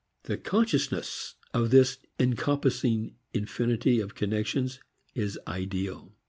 The consciousness of this encompassing infinity of connections is ideal.